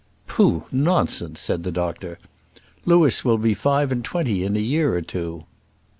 "Pooh, nonsense," said the doctor. "Louis will be five and twenty in a year or two."